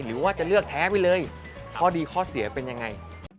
หรือว่าจะเลือกแท้ไปเลยข้อดีข้อเสียเป็นยังไง